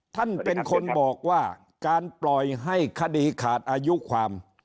ท่านเป็นคนบอกว่าการปล่อยให้คดีขาดอายุความ